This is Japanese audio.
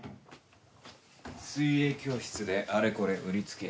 水泳教室であれこれ売りつけ